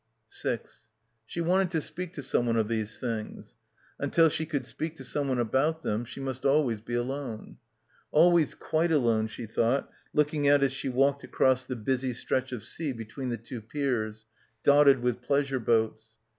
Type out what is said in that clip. — 239 — PILGRIMAGE She wanted to speak to someone of these things. Until she could speak to someone about them she must always be alone. Always quite alone, she thought, looking out as she walked across the busy stretch of sea between the two piers, dotted with pleasure boats.